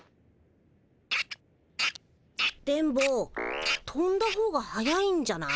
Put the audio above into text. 電ボ飛んだほうが早いんじゃない？